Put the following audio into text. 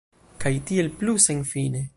Kaj tiel plu, senfine.